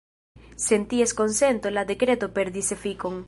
Sen ties konsento la dekreto perdis efikon.